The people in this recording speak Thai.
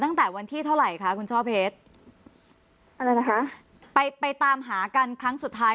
ตั้งแต่วันที่เท่าไหร่คะคุณช่อเพชรอะไรนะคะไปไปตามหากันครั้งสุดท้าย